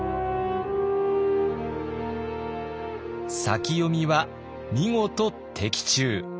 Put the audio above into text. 先読みは見事的中。